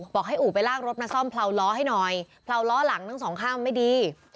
บอกให้อู่ไปลากรถมาซ่อมเลาล้อให้หน่อยเผลาล้อหลังทั้งสองข้างไม่ดี